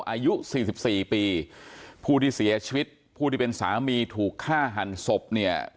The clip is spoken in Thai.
อายุสี่สิบสี่ปีผู้ที่เสียชีวิตผู้ที่เป็นสามีถูกฆ่าหันศพเนี่ย